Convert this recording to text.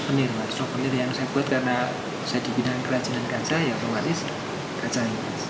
ini adalah suvenir yang saya buat karena saya dibina kerajinan kaca yang terpilih kaca inggris